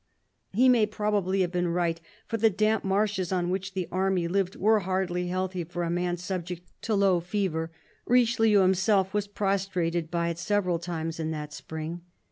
He may probably have been right, for the damp marshes on which the army lived were hardly healthy for a man subject to low fever ; Richelieu himself was prostrated by it several times in that spring.